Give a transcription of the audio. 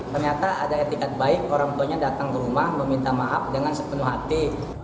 ternyata ada etikat baik orang tuanya datang ke rumah meminta maaf dengan sepenuh hati